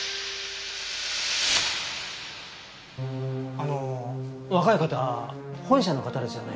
あの若い方本社の方ですよね？